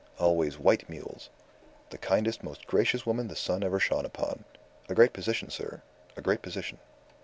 Always white mules. The kindest, most gracious woman the sun ever shone upon. A great position, sir. A great position.